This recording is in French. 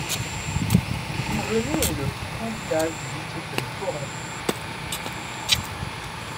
Courgenay est le plus grand village du district de Porrentruy.